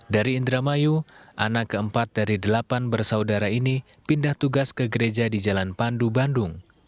dari indramayu anak keempat dari delapan bersaudara ini pindah tugas ke gereja di jalan pandu bandung